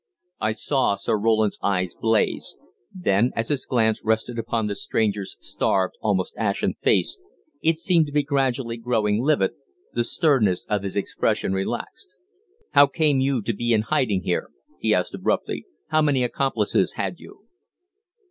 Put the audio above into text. I saw Sir Roland's eyes blaze. Then, as his glance rested upon the stranger's starved, almost ashen face it seemed to be gradually growing livid the sternness of his expression relaxed. "How came you to be in hiding here?" he asked abruptly. "How many accomplices had you?"